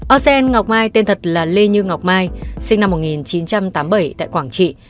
osen ngọc mai tên thật là lê như ngọc mai sinh năm một nghìn chín trăm tám mươi bảy tại quảng trị